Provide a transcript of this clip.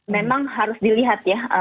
memang harus dilihat ya